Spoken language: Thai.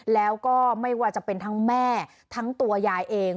แล้วก็ไม่ว่าจะเป็นทั้งแม่ทั้งตัวยายเอง